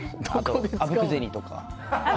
あぶく銭とか。